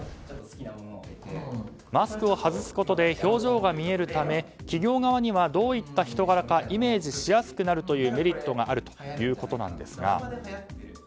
マスクを外すことで表情が見えるため企業側にはどういった人柄かイメージしやすくなるというメリットがあるということなんですが。